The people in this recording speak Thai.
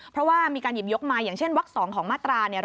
เพราะว่ามีการหยิบยกมาอย่างเช่นวัก๒ของมาตรา๑๕